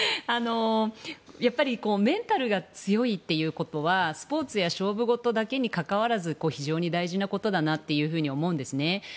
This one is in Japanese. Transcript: やっぱりメンタルが強いということはスポーツや勝負事だけに限らず非常に大事なことだなと思うんですね。